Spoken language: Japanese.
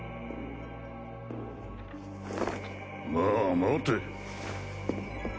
まあ待て。